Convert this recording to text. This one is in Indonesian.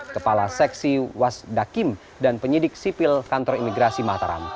kepala seksi wasdakim dan penyidik sipil kantor imigrasi mataram